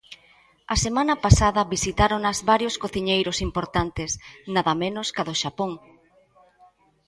A semana pasada visitáronas varios cociñeiros importantes, nada menos ca do Xapón.